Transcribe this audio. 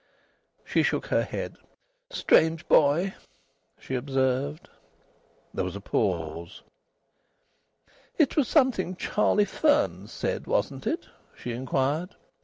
She shook her head. "Strange boy!" she observed. There was a pause. "It was something Charlie Fearns said, wasn't it?" she inquired.